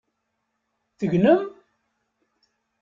Tegnem?